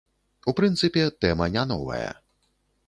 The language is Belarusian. У прынцыпе, тэма не новая.